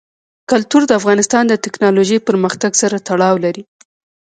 کلتور د افغانستان د تکنالوژۍ پرمختګ سره تړاو لري.